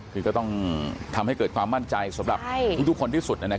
คือก็ต้องทำให้เกิดความมั่นใจสำหรับทุกคนที่สุด